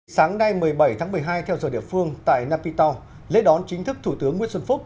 sáng nay một mươi bảy tháng một mươi hai theo giờ địa phương tại napitor lễ đón chính thức thủ tướng nguyễn xuân phúc